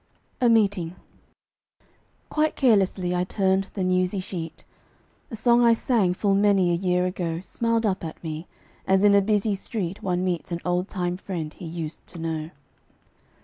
A MEETING. Quite carelessly I turned the newsy sheet; A song I sang, full many a year ago, Smiled up at me, as in a busy street One meets an old time friend he used to know.